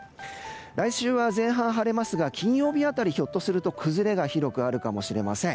来週は前半、晴れますが金曜日辺りひょっとすると崩れが広くあるかもしれません。